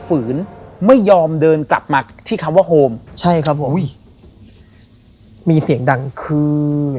ฝืนไม่ยอมเดินกลับมาที่คำว่าโฮมใช่ครับผมอุ้ยมีเสียงดังคือ